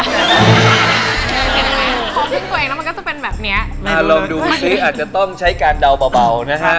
ของพริกตัวเองแล้วมันก็จะเป็นแบบเนี้ยมาลองดูซิอาจจะต้องใช้การเดาเบานะฮะ